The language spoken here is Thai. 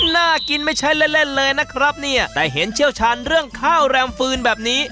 น่ากินไม่ใช่เล่นเล่นเลยนะครับเนี่ยแต่เห็นเชี่ยวชาญเรื่องข้าวแรมฟืนแบบนี้